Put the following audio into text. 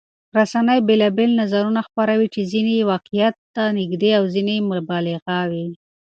رسنۍ بېلابېل نظرونه خپروي چې ځینې یې واقعيت ته نږدې او ځینې مبالغه وي.